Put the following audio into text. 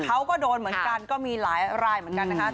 เขาก็โดนเหมือนกันก็มีหลายรายเหมือนกันนะคะ